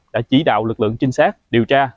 đã chỉ đạo lực lượng trinh sát điều tra